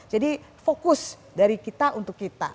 jadi fokus dari kita untuk kita